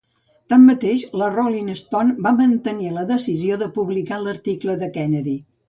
Tanmateix, la "Rolling Stone" va mantenir la decisió de publicar l'article de Kennedy.